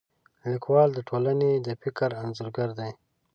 لیکوال د ټولنې د فکر انځورګر دی.